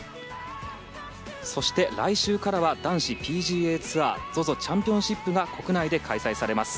そして来週からは男子ＰＧＡツアーＺＯＺＯチャンピオンシップが国内で開催されます。